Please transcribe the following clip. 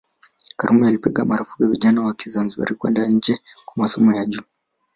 Karume alipiga marufuku vijana wa Kizanzibari kwenda nje kwa masomo ya juu